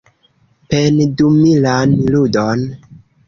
Pendumilan ludon.